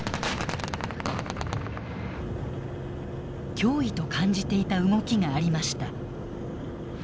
脅威と感じていた動きがありました。